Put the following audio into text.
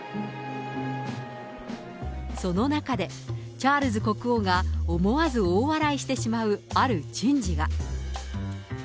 その中で、チャールズ国王が思わず大笑いしてしまう、ある珍事が。